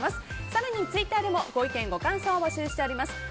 更にツイッターでもご意見、ご感想を募集しています。